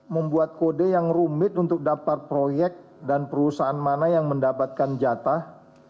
membuat kode yang rumit untuk daftar proyek dan perusahaan mana yang mendapatkan jatah